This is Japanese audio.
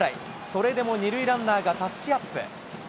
それでも２塁ランナーがタッチアップ。